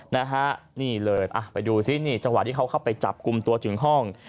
นะฮะนี่เลยอ่ะไปดูซินี่จังหวะที่เขาเข้าไปจับกลุ่มตัวถึงห้อง